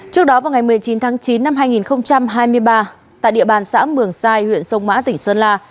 trước đó vào ngày một mươi chín tháng chín năm hai nghìn hai mươi ba tại địa bàn xã mường sai huyện sông mã tỉnh sơn la